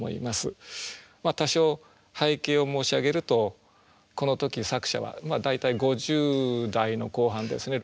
まあ多少背景を申し上げるとこの時作者は大体５０代の後半ですね。